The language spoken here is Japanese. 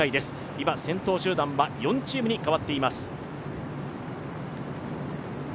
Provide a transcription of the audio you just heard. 今、先頭集団は４チームに変わっています。